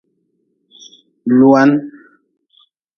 Lua-n.